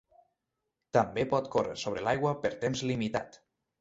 També pot córrer sobre l'aigua per temps limitat.